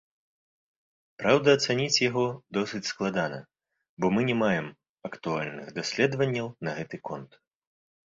Праўда, ацаніць яго досыць складана, бо мы не маем актуальных даследванняў на гэты конт.